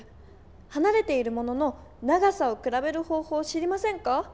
はなれているものの長さをくらべる方ほう知りませんか？